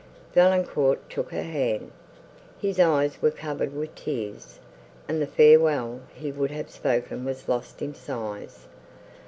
Valancourt took her hand;—his eyes were covered with tears, and the farewell he would have spoken was lost in sighs.